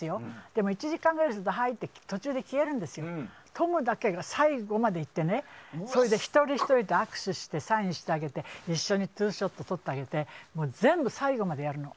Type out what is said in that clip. でも、１時間ぐらいすると途中で消えるんですけどトムだけが最後までいて一人ひとりと握手してサインしてあげて一緒にツーショット撮ってあげて全部最後までやるの。